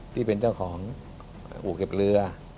ที่เป็นเจ้าของอู่เก็บเรือ